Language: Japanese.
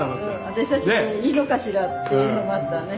私たちでいいのかしらっていうのもあったわね。